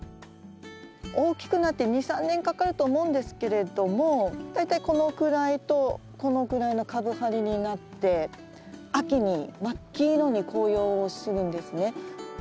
大きくなって２３年かかると思うんですけれども大体このくらいとこのくらいの株張りになって秋に真っ黄色に紅葉をするんですね。